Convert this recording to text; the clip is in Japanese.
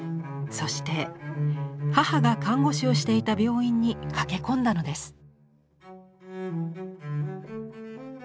そして母が看護師をしていた病院に駆け込んだのです。